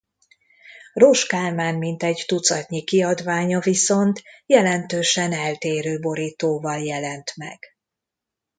Rozs Kálmán mintegy tucatnyi kiadványa viszont jelentősen eltérő borítóval jelent meg.